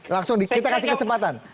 langsung kita kasih kesempatan